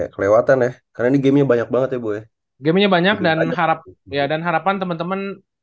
kelewatan ya karena ini gamenya banyak banget ibu ya gamenya banyak dan harap ya dan harapan teman teman